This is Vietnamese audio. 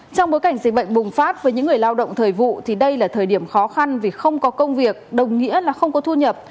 trong bối cảnh dịch bệnh bùng phát với những người lao động thời vụ thì đây là thời điểm khó khăn vì không có công việc đồng nghĩa là không có thu nhập